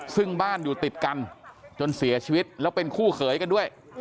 ซึ่งบ้านอยู่ติดกันจนเสียชีวิตแล้วเป็นคู่เขยกันด้วย